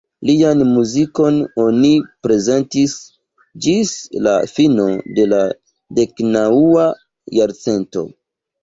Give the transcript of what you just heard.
Lian muzikon oni prezentis ĝis la fino de la deknaŭa jarcento.